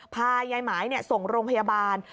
พายายหมายส่งโรงพยาบาล